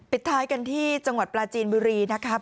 ท้ายกันที่จังหวัดปลาจีนบุรีนะครับ